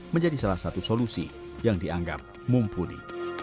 menjadi salah satu solusi yang dianggap mumpuni